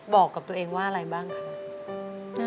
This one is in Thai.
บอกกับตัวเองว่าอะไรบ้างคะ